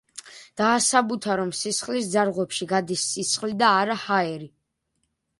დაასაბუთა, რომ სისხლის ძარღვებში გადის სისხლი და არა ჰაერი.